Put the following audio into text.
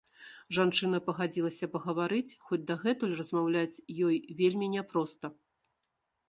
Жанчына пагадзілася пагаварыць, хоць дагэтуль размаўляць ёй вельмі няпроста.